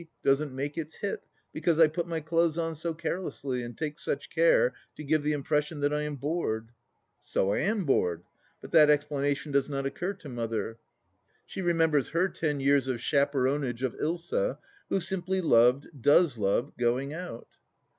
doesn't make its hit because I put my clothes on carelessly and take such care to give the impres sion that I am bored. So I am bored, but that explanation does not occur to Mother. She remembers her ten years of chaperonage of Ilsa, who simply loved, does love, going out.